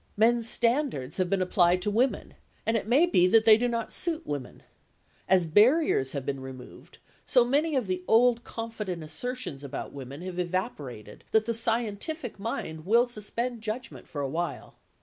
Men's standards have been applied to women, and it may be that they do not suit women. As barriers have been removed, so many of the old confident assertions about women have evaporated that the scientific mind will suspend judgment for a while.